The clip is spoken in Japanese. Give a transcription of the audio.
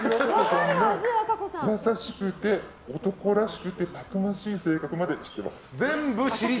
優しくて男らしくてたくましい性格まで知ってます。